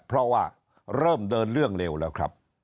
เพราะว่าเริ่มเดินเรื่องเร็วแล้วครับ